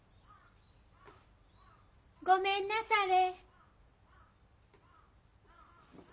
・ごめんなされ。